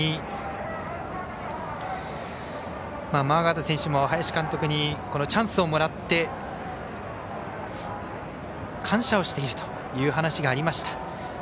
マーガード選手も、林監督にチャンスをもらって感謝をしているという話がありました。